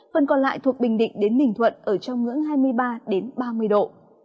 phần còn lại thuộc bình định đến bình thuận ở trong ngưỡng hai mươi ba ba mươi độ